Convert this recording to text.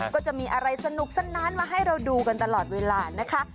ก็จะมีอะไรสนุกสนานมาให้เราดูกันตลอดเวลานะคะ